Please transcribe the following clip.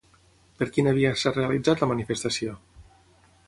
Per quina via s'ha realitzat la manifestació?